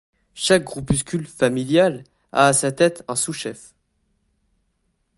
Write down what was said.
Chaque groupuscule “ familial ” a à sa tête un sous-chef.